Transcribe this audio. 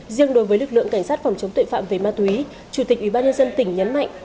riêng đối với lực lượng cảnh sát phòng chống tội phạm về ma túy chủ tịch ubnd tỉnh nhấn mạnh